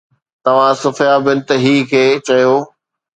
توهان صفيه بنت حي کي چيو